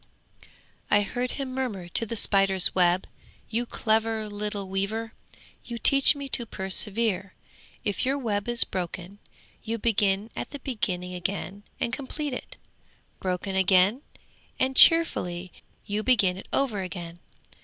'I heard him murmur to the spider's web. "You clever little weaver! You teach me to persevere! If your web is broken, you begin at the beginning again and complete it! Broken again and cheerfully you begin it over again.